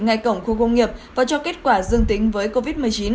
ngay cổng khu công nghiệp và cho kết quả dương tính với covid một mươi chín